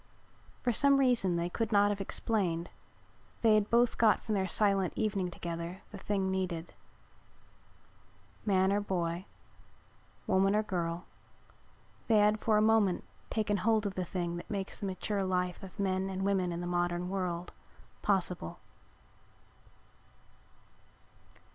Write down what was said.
For some reason they could not have explained they had both got from their silent evening together the thing needed. Man or boy, woman or girl, they had for a moment taken hold of the thing that makes the mature life of men and women in the modern world possible.